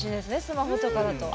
スマホとかだと。